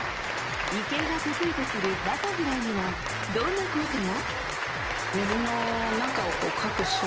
池江が得意とするバタフライにはどんな効果が。